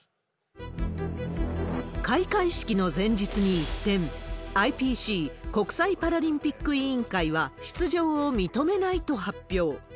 開会式の前日に一転、ＩＰＣ・国際パラリンピック委員会は出場を認めないと発表。